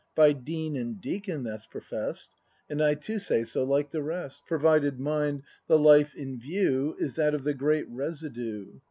By Dean and deacon that's profess'd. And I too say so, like the rest, — Provided, mind, the "life" in view Is that of the great Residue.